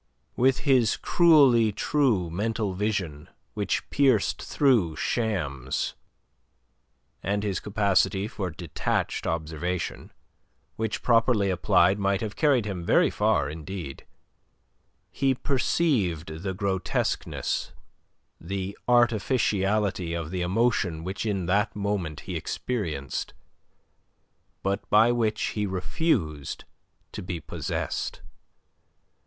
With his cruelly true mental vision which pierced through shams, and his capacity for detached observation which properly applied might have carried him very far, indeed he perceived the grotesqueness, the artificiality of the emotion which in that moment he experienced, but by which he refused to be possessed.